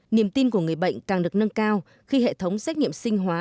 niềm tin của người bệnh càng được nâng cao khi hệ thống xét nghiệm sinh hóa